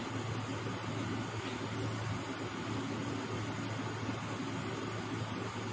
รอสองแล้วอยากมาหนะ